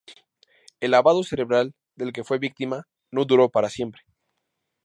El lavado cerebral del que fue víctima no duró para siempre.